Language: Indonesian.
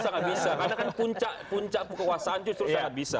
karena kan puncak kekuasaan justru sangat bisa